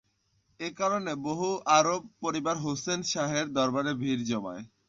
এ কারণে বহু আরব পরিবার হোসেন শাহের দরবারে ভিড় জমায়।